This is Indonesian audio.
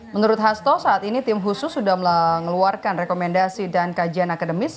menurut hasto saat ini tim khusus sudah mengeluarkan rekomendasi dan kajian akademis